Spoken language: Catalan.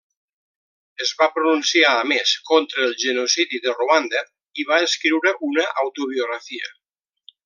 Es va pronunciar a més contra el genocidi de Ruanda i va escriure una autobiografia.